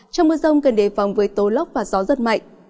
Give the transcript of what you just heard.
trong mưa rông cần đề phòng với tố lốc và gió rất mạnh